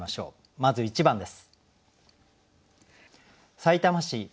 まず１番です。